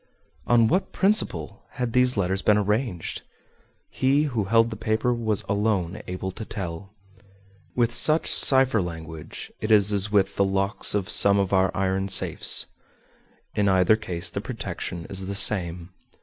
On what principle had these letters been arranged? He who held the paper was alone able to tell. With such cipher language it is as with the locks of some of our iron safes in either case the protection is the same.